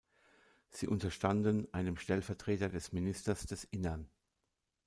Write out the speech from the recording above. Sie unterstanden einem Stellvertreter des Ministers des Innern.